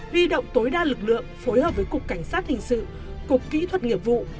huy động tối đa lực lượng phối hợp với cục cảnh sát hình sự cục kỹ thuật nghiệp vụ